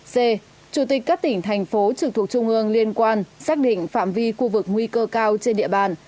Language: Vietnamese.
c chủ tịch các tỉnh thành phố trực thuộc trung ương liên quan xác định phạm vi khu vực nguy cơ cao trên địa bàn